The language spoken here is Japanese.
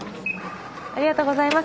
ありがとうございます。